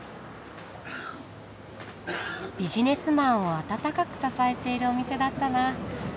ビジネスマンを温かく支えているお店だったな。